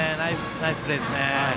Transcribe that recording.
ナイスプレーですね。